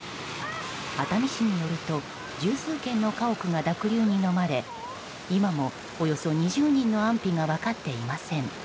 熱海市によると十数軒の家屋が濁流にのまれ今もおよそ２０人の安否が分かっていません。